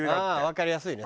わかりやすいね。